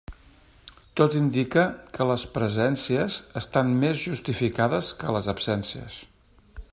Tot indica que les presències estan més justificades que les absències.